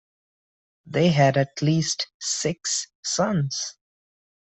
They had at least six sons.